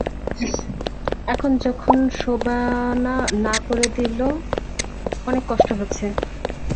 এখন যখন শোবানা না করে দিল, অনেক কষ্ট হচ্ছে।